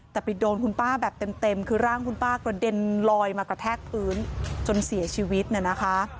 แต่ไปโดนคุณป้าแบบเต็มคือร่างคุณป้ากระเด็นลอยมากระแทกพื้นจนเสียชีวิตน่ะนะคะ